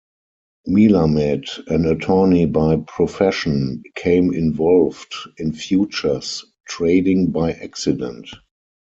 Melamed, an attorney by profession, became involved in futures trading by accident.